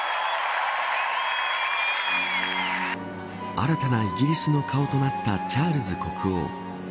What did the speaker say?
新たなイギリスの顔となったチャールズ国王。